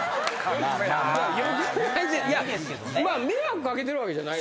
迷惑かけてるわけじゃない。